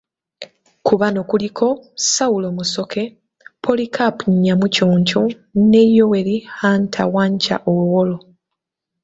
Ku bano kuliko; Saulo Musoke, Polycarp Nyamuchoncho ne Yoweri Hunter Wacha-Olwol.